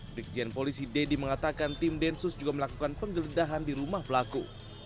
brigjen polisi deddy mengatakan tim densus juga melakukan penggeledahan di rumah pelaku